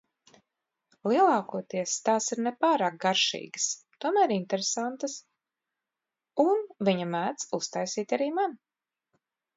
Lielākoties tās ir ne pārāk garšīgas, tomēr interesentas, un viņa mēdz uztaisīt arī man.